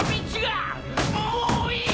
もういい！